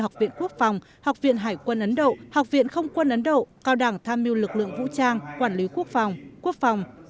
học viện quốc phòng học viện hải quân ấn độ học viện không quân ấn độ cao đảng tham mưu lực lượng vũ trang quản lý quốc phòng quốc phòng